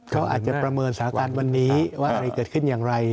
เขาอาจจะประเมินสถานการณ์วันนี้ว่าอะไรเกิดขึ้นอย่างไร